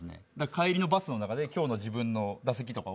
帰りのバスの中で今日の自分の打席とかを見ながら。